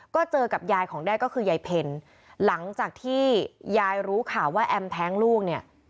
ก็เจอกับยายของแด้ก็คือยายเพลหลังจากที่ยายรู้ข่าวว่าแอมแท้งลูกเนี่ย